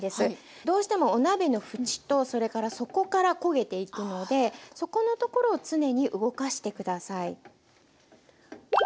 どうしてもお鍋の縁とそれから底から焦げていくので底のところを常に動かして下さい。